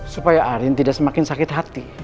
supaya arin tidak semakin sakit hati